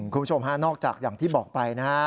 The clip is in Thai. คุณผู้ชมฮะนอกจากอย่างที่บอกไปนะฮะ